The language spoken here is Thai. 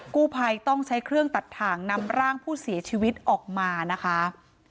กู้ภัยต้องใช้เครื่องตัดถ่างนำร่างผู้เสียชีวิตออกมานะคะ